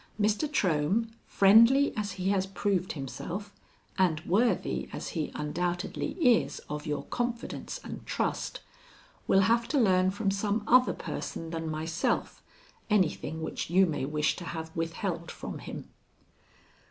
Mr. Trohm, friendly as he has proved himself and worthy as he undoubtedly is of your confidence and trust, will have to learn from some other person than myself anything which you may wish to have withheld from him."